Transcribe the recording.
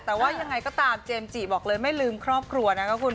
แต่ว่ายังไงก็ตามเจมส์จิบอกเลยไม่ลืมครอบครัวนะคะคุณ